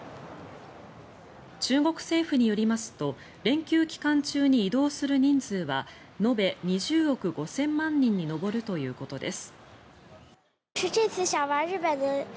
中国政府によりますと連休期間中に移動する人数は延べ２０億５０００万人に上るということです。